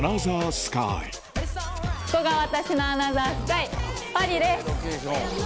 スカイここが私のアナザースカイパリです！